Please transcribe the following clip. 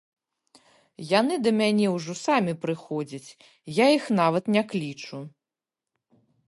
Яны да мяне ўжо самі прыходзяць, я іх нават не клічу.